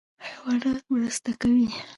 حیوانات مرسته کوي.